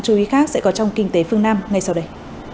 chú ý khác sẽ có trong kinh tế phương nam ngay sau đây